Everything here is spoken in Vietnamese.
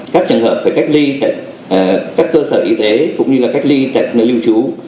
các trường hợp phải cách ly tại các cơ sở y tế cũng như là cách ly tại nơi lưu trú